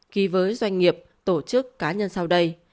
ký với doanh nghiệp tổ chức cá nhân sau đây